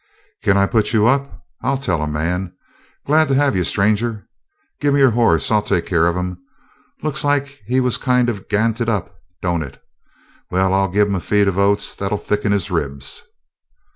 "Can I put you up? I'll tell a man. Glad to have you, stranger. Gimme your hoss. I'll take care of him. Looks like he was kind of ganted up, don't it? Well, I'll give him a feed of oats that'll thicken his ribs."